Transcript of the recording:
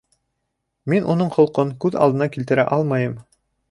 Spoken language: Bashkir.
Мин уның холҡон күҙ алдына килтерә алмайым